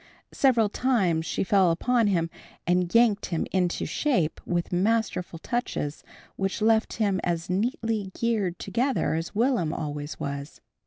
Several times she fell upon him and yanked him into shape with masterful touches which left him as neatly geared together as Will'm always was.